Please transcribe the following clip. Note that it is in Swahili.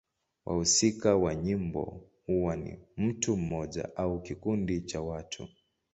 Wahusika wa nyimbo huwa ni mtu mmoja au kikundi cha watu.